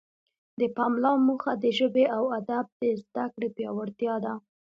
د پملا موخه د ژبې او ادب د زده کړې پیاوړتیا ده.